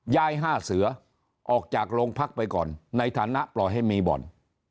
๕เสือออกจากโรงพักไปก่อนในฐานะปล่อยให้มีบ่อน